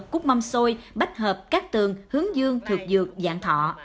cút mâm xôi bách hợp cát tường hướng dương thượng dược dạng thọ